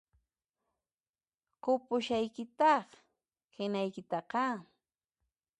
Qupushaykitáq qinaykitaqá